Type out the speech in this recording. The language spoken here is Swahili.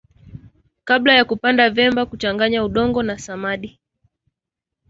kabla ya kupanda vyema kuchanganya udongo na samadi